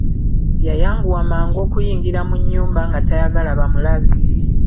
Yayanguwa mangu okuyingira mu nnyumba nga tayagala bamulabe.